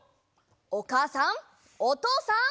おかあさんおとうさん。